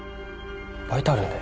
バイトあるんで。